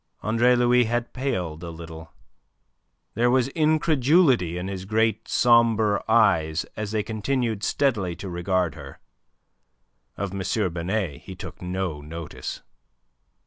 Andre Louis had paled a little; there was incredulity in his great sombre eyes as they continued steadily to regard her. Of M. Binet he took no notice.